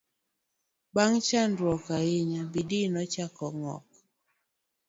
bang' chandruok ahinya, Bidii nochako ng'ok